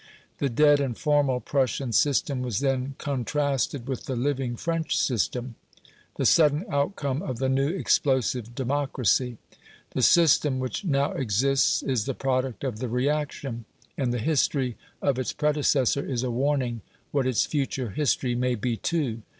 The "dead and formal" Prussian system was then contrasted with the "living" French system the sudden outcome of the new explosive democracy. The system which now exists is the product of the reaction; and the history of its predecessor is a warning what its future history may be too.